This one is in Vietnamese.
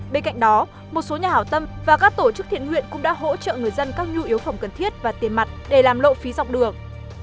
bên cạnh đó một số nhà hảo tâm và các tổ chức thiện nguyện cũng đã hỗ trợ người dân các nhu yếu phẩm cần thiết và tiền mặt để làm lộ phí dọc đường